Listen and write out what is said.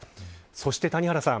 そして谷原さん